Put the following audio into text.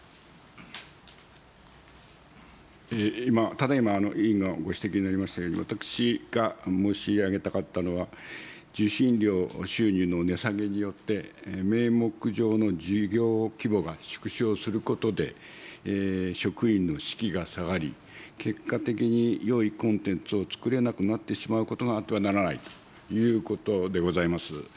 ただいま委員がご指摘になりましたように、私が申し上げたかったのは、受信料収入の値下げによって、名目上の事業規模が縮小することで、職員の士気が下がり、結果的によいコンテンツを作れなくなってしまうことがあってはならないということでございます。